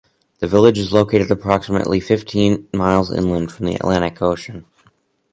The village is located approximately fifteen miles inland from the Atlantic Ocean.